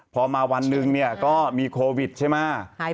พอมาวันหนึ่งเนี่ยก็มีโควิดใช่ไหม